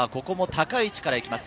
ここも高い位置から行きます。